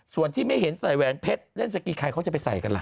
ส่วนที่ไม่เห็นใส่แหวนเพชรเล่นสกีใครเขาจะไปใส่กันล่ะ